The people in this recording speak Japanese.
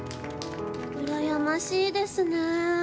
うらやましいですね。